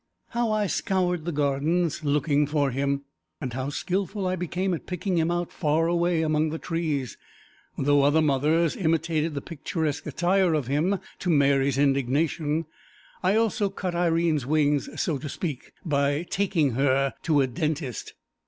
How I scoured the Gardens looking for him, and how skilful I became at picking him out far away among the trees, though other mothers imitated the picturesque attire of him, to Mary's indignation. I also cut Irene's wings (so to speak) by taking her to a dentist.